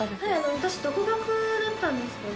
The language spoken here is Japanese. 私、独学だったんですけど。